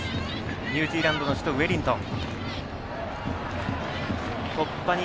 ニュージーランドの首都ウェリントン。